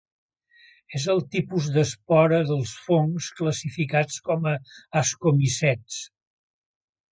És el tipus d'espora dels fongs classificats com ascomicets.